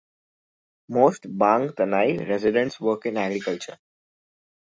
Most Bang Tanai residents work in agriculture.